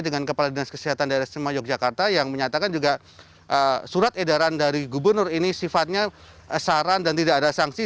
dengan kepala dinas kesehatan daerah sema yogyakarta yang menyatakan juga surat edaran dari gubernur ini sifatnya saran dan tidak ada sanksi